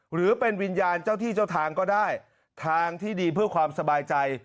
หรือเป็นวิญญาณเจ้าที่เจ้าทางก็ได้ทางที่ดีเพื่อความสบายใจ